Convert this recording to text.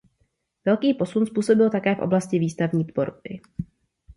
Velký posun způsobil také v oblasti výstavní tvorby.